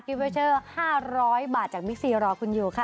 คิวเฟอร์เชอร์๕๐๐บาทจากมิกซีรอคุณอยู่ค่ะ